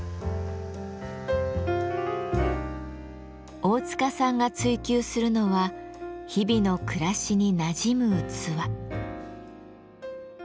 大塚さんが追求するのは日々の暮らしになじむ器。